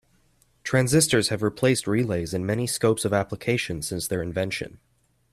Transistors have replaced relays in many scopes of application since their invention.